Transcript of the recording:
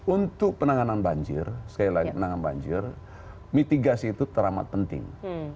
untuk penanganan banjir sekali lagi penanganan banjir mitigasi itu teramat penting